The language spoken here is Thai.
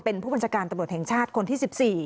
เป็นผู้บัญชาการตำรวจแห่งชาติคนที่๑๔